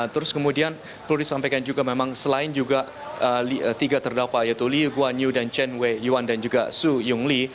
terus kemudian perlu disampaikan juga memang selain juga tiga terdakwa yaitu li guan yu dan chen wei chuan dan juga su yong li